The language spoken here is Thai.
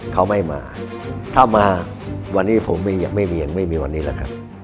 เขาไม่มาถ้ามาวันนี้ผมยังไม่เวียงไม่มีวันนี้แหละครับ